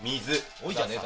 「おい」じゃねえだろ。